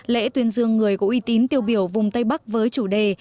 lễ tuyên dương người có uy tín tiêu biểu vùng tây bắc với chủ đề